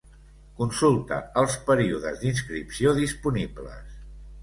Consulta els períodes d'inscripció disponibles.